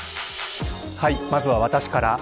まずは私から。